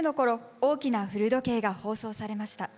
「大きな古時計」が放送されました。